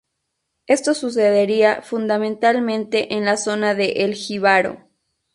Esto sucedería fundamentalmente en la zona de El Jíbaro.